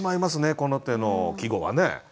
この手の季語はね。